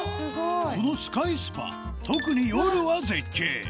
このスカイスパ特に夜は絶景！